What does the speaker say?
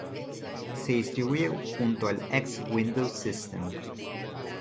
Se distribuye junto al X Window System.